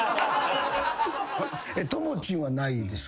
ともちんはないでしょ？